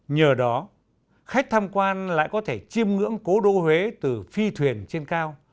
nhờ đó khách tham quan lại có thể chiêm ngưỡng cố đô huế từ phi thuyền trên cao